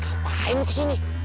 apaan lu kesini